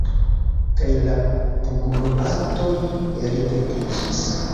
Kaj la pugnobatoj ripetiĝis.